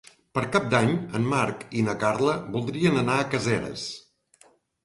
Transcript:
Per Cap d'Any en Marc i na Carla voldrien anar a Caseres.